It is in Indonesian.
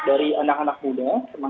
dari anak anak muda